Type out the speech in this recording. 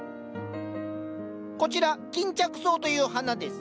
こちら巾着草という花です。